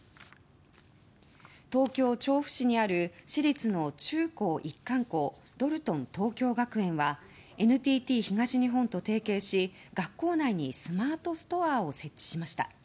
東京・調布市にある私立の中高一貫校ドルトン東京学園はＮＴＴ東日本と提携し学校内にスマートストアを設置しました。